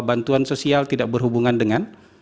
bantuan sosial tidak berhubungan dengan